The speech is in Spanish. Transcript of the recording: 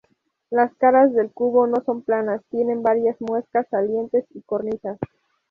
Las caras del cubo no son planas, tienen varias muescas, salientes y cornisas.